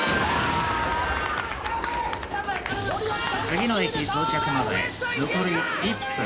次の駅到着まで残り１分。